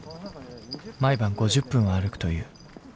毎晩５０分は歩くという。